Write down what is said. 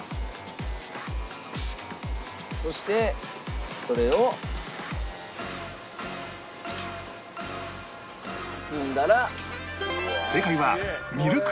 そしてそれを包んだら。